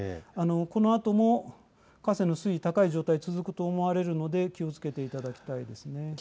このあとも河川の水位が高い状態が続くと思われるので気をつけていただきたいです。